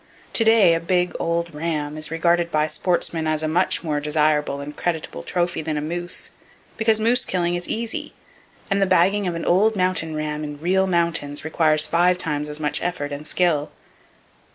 To day "a big, old ram" is regarded by sportsmen as a much more desirable and creditable trophy than a moose; because moose killing is easy, and the bagging of an old mountain ram in real mountains requires five times as much effort and skill.